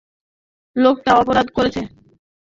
লোকটা অপরাধ করেছে।